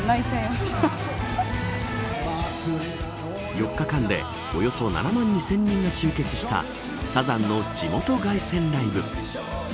４日間でおよそ７万２０００人が集結したサザンの地元凱旋ライブ。